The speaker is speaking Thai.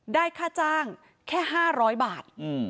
ได้ค่าจ้างแค่๕๐๐บาท